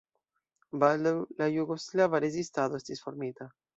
Baldaŭ la jugoslava rezistado estis formita.